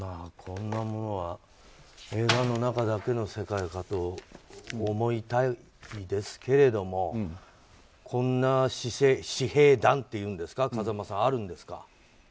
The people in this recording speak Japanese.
こんなものは映画の中だけの世界かと思いたいですけれどもこんな、私兵団っていうんですか風間さん、あるんですか。